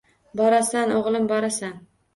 Borasan, o‘g‘lim, borasan.